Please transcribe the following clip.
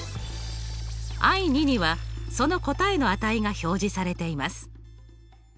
Ｉ２にはその答えの値が表示されています。